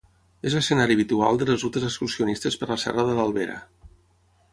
És escenari habitual de les rutes excursionistes per la Serra de l'Albera.